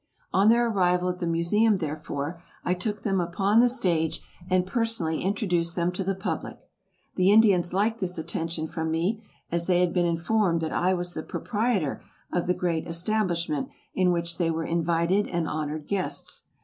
On their arrival at the Museum, therefore, I took them upon the stage and personally introduced them to the public. The Indians liked this attention from me, as they had been informed that I was the proprietor of the great establishment in which they were invited and honored guests.